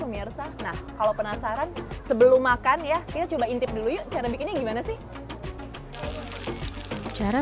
pemirsa nah kalau penasaran sebelum makan ya kita coba intip dulu yuk cara bikinnya gimana sih cara